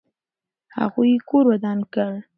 هغوی یې کور ودان کړ.